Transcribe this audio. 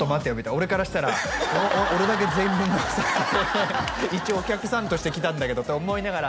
俺からしたら俺だけ全員分のお酒一応お客さんとして来たんだけどって思いながら